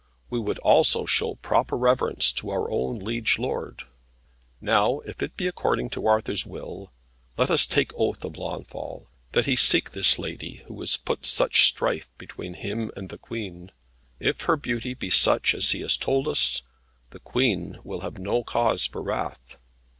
We would also show proper reverence to our own liege lord. Now, if it be according to Arthur's will, let us take oath of Launfal, that he seek this lady, who has put such strife between him and the Queen. If her beauty be such as he has told us, the Queen will have no cause for wrath.